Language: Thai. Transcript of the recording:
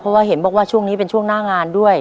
เพราะว่าเห็นบอกว่าช่วงนี้เป็นช่วงหน้างานด้วย